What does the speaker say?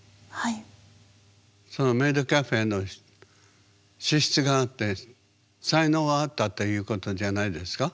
メイドカフェの資質があって才能があったということじゃないですか？